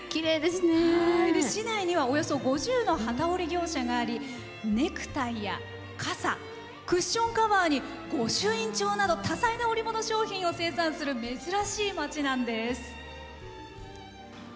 市内には、およそ５０の機織り業者がありネクタイや傘クッションカバーに御朱印帳など多彩な織物商品を生産する珍しい町なんです。